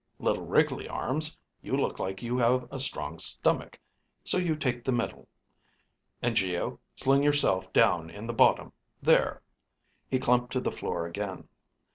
Little wriggly arms, you look like you have a strong stomach, so you take the middle. And Geo, sling yourself down in the bottom there." He clumped to the floor again.